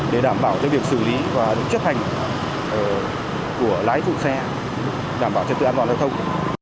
để đảm bảo cho việc xử lý và chấp hành của lái phụ xe đảm bảo trật tự an toàn giao thông